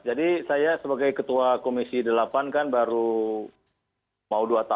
jadi saya sebagai ketua komisi delapan kan baru mau dua tahun ya